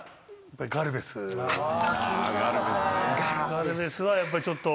ガルベスはやっぱりちょっと。